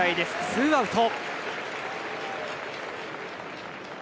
ツーアウト。